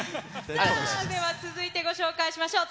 では、続いてご紹介しましょう。